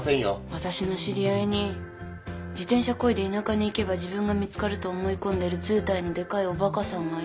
私の知り合いに自転車こいで田舎に行けば自分が見つかると思い込んでるずうたいのでかいおバカさんがいるの。